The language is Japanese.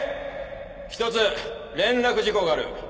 一つ連絡事項がある。